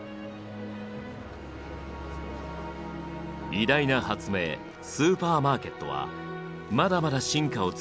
偉大な発明スーパーマーケットはまだまだ進化を続けるでしょう。